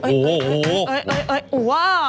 โอ้โห